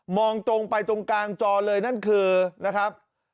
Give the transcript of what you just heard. ตรงไปตรงกลางจอเลยนั่นคือนะครับ